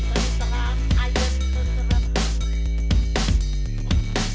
menerang air penerbangan